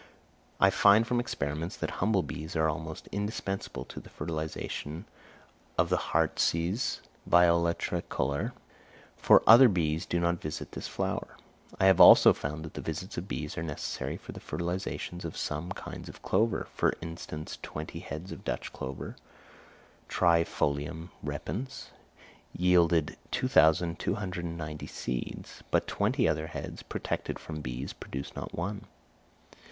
I find from experiments that humble bees are almost indispensable to the fertilisation of the heartsease (Viola tricolor), for other bees do not visit this flower. I have also found that the visits of bees are necessary for the fertilisation of some kinds of clover; for instance twenty heads of Dutch clover (Trifolium repens) yielded 2,290 seeds, but twenty other heads, protected from bees, produced not one.